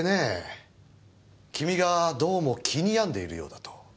君がどうも気に病んでいるようだと。